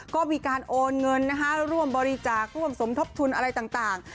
ก็มีการโอนเงินร่วมบริจาคร่วมสมทบทุนอะไรต่าง